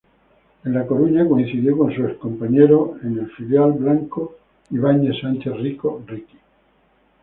En La Coruña coincidió con su ex-compañero en el filial blanco Iván Sánchez-Rico "Riki".